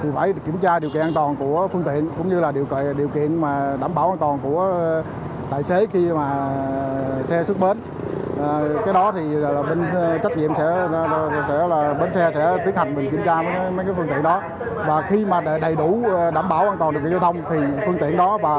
và khi mà đầy đủ đảm bảo an toàn điều kiện giao thông thì phương tiện đó và tài xế đó mới được điều kiện giao thông xuất bến